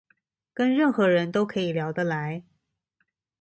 跟任何人都可以聊得來